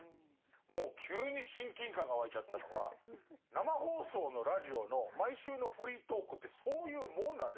もう急に親近感が湧いちゃったのは生放送のラジオの毎週のフリートークってそういうもんなんですよ。